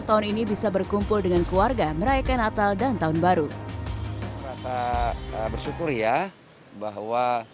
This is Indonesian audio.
tahun ini bisa berkumpul dengan keluarga merayakan natal dan tahun baru rasa bersyukur ya bahwa